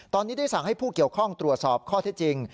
ตอนนี้ได้สั่งให้ผู้เกี่ยวข้องตรวจสอบข้อเท็จจริง